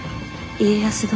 家康殿。